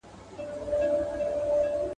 دا پیغام چا رالېږلی؟ کشکي نه مي اورېدلای ..